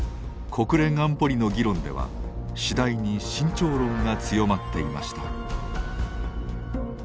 国連安保理の議論では次第に慎重論が強まっていました。